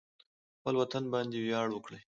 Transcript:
خپل وطن باندې ویاړ وکړئ